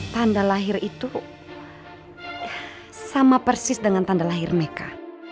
tanda lahir itu sama persis dengan tanda lahir mereka